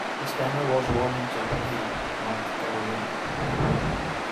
Stamey was born in Chapel Hill, North Carolina.